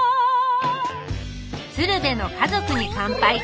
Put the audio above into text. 「鶴瓶の家族に乾杯」